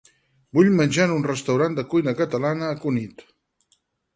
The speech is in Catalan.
Vull menjar en un restaurant de cuina catalana a Cunit.